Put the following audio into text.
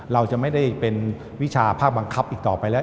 เราจะไม่ได้เป็นวิชาภาคบังคับอีกต่อไปแล้ว